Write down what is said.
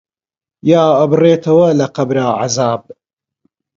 یا ئەبڕێتەوە لە قەبرا عەزاب